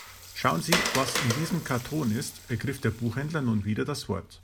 Schauen Sie, was in diesem Karton ist, ergriff der Buchhändler nun wieder das Wort.